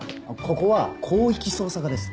ここは広域捜査課です。